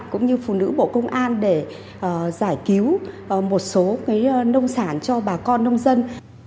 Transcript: cũng như phụ nữ bộ công an để giải cứu một số nông sản cho bà con nông dân